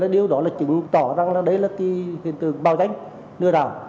điều đó là chứng tỏ rằng đây là hiện tượng bao dánh lừa đào